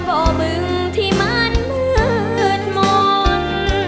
เพราะมึงที่มันเหมือนมนต์